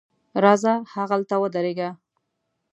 راځه هغلته ودرېږه.